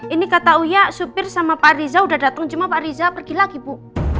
ini kata uya supir sama pak riza sudah datang cuma pak riza pergi lagi bu